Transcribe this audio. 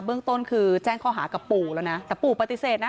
เรื่องต้นคือแจ้งข้อหากับปู่แล้วนะแต่ปู่ปฏิเสธนะ